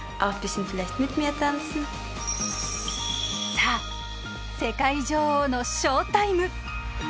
さあ世界女王のショータイム！